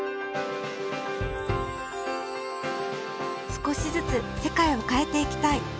少しずつ世界を変えていきたい。